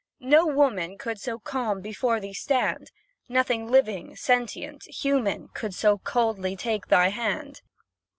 no woman Could so calm before thee stand? Nothing living, sentient, human, Could so coldly take thy hand?